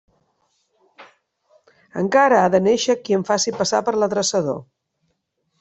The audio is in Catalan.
Encara ha de néixer qui em faci passar per l'adreçador.